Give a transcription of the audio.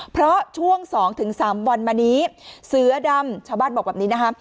เพราะช่วง๒๓วันมานี้เสือดำชาวบ้านบอกแบบนี้นะคะ